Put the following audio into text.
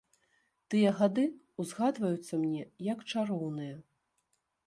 Тыя гады ўзгадваюцца мне як чароўныя.